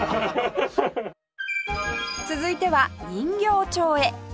続いては人形町へ